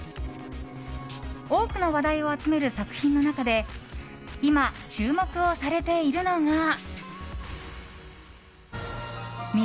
多くの話題を集める作品の中で今、注目をされているのが。